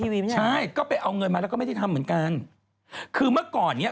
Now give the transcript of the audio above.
ที่ดาราวันนี้เป็นเอกนางเอกหลายคนอยู่เนี่ย